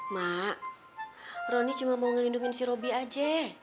mak rony cuma mau ngelindungin si robi aja